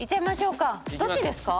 どっちですか？